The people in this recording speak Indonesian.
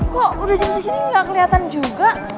kok udah jam segini gak keliatan juga